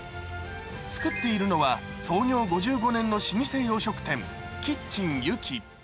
作っているのは創業５５年の老舗洋食店キッチンユキ。